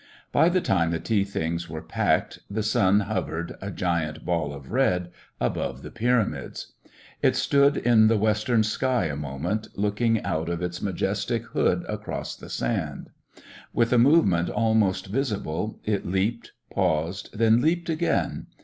By the time the tea things were packed the sun hovered, a giant ball of red, above the Pyramids. It stood in the western sky a moment, looking out of its majestic hood across the sand. With a movement almost visible it leaped, paused, then leaped again.